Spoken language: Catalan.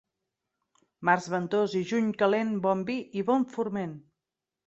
Març ventós i juny calent, bon vi i bon forment.